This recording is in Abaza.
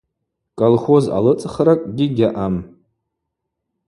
Колхоз алыцӏхракӏгьи гьаъам.